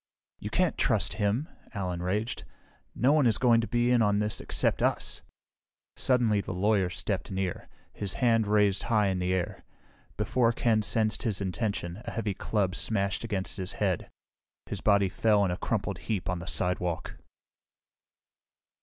"You can't trust him!" Allen raged. "No one is going to be in on this except us." Suddenly the lawyer stepped near, his hand raised high in the air. Before Ken sensed his intention, a heavy club smashed against his head. His body fell in a crumpled heap on the sidewalk.